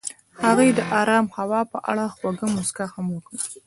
هغې د آرام هوا په اړه خوږه موسکا هم وکړه.